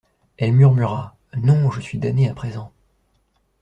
Elle murmura : Non, je suis damnée à présent.